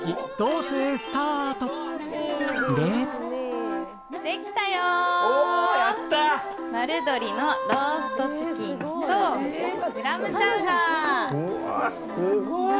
うわすごい！